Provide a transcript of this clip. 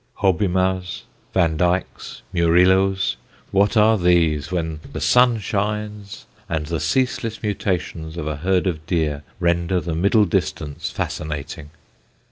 Hobbemas, Vandycks, Murillos what are these when the sun shines and the ceaseless mutations of a herd of deer render the middle distance fascinating?